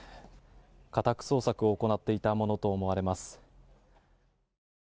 家宅捜索を行っていたものと思われます。